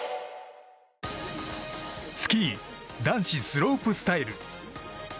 スキー男子スロープスタイル。